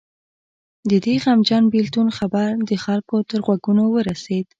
د دې غمجن بېلتون خبر د خلکو تر غوږونو ورسېد.